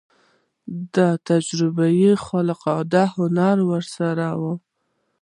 د تجربې خارق العاده هنر ورسره و.